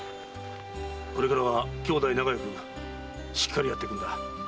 これからは姉弟仲よくしっかりやっていくんだ。